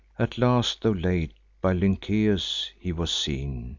At last, tho' late, by Lynceus he was seen.